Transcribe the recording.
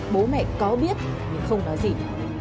bố mẹ có biết nhưng không nói gì